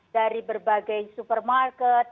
dari berbagai supermarket